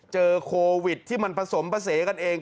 เจอโควิดที่มันผสมภาษีกันเอง